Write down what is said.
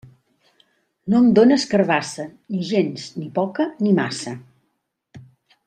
No em dónes carabassa, ni gens, ni poca, ni massa.